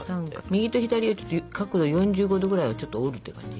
右と左を角度４５度ぐらいをちょっと折るって感じ。